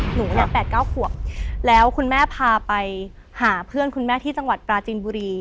หนูเนี่ย๘๙ขวบแล้วคุณแม่พาไปหาเพื่อนคุณแม่ที่จังหวัดปราจีนบุรี